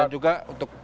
dan juga untuk